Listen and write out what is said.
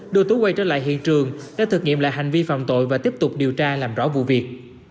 đưa tú quay trở lại hiện trường để thực nghiệm lại hành vi phạm tội và tiếp tục điều tra làm rõ vụ việc